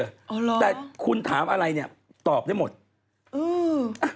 อ๋อเหรอแต่คุณถามอะไรเนี้ยตอบได้หมดอืม